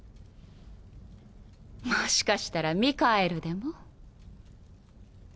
もしかしたらミカエルでも？